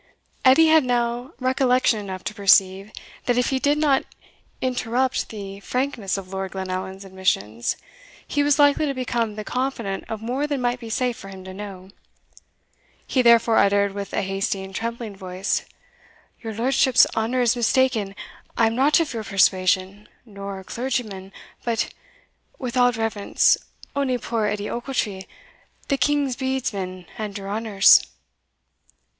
Edie had now recollection enough to perceive, that if he did not interrupt the frankness of Lord Glenallan's admissions, he was likely to become the confidant of more than might be safe for him to know. He therefore uttered with a hasty and trembling voice "Your lordship's honour is mistaken I am not of your persuasion, nor a clergyman, but, with all reverence, only puir Edie Ochiltree, the king's bedesman and your honour's."